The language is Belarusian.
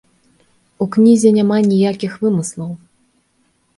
У кнізе няма ніякіх вымыслаў.